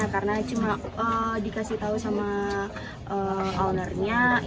karena cuma dikasih tahu sama ownernya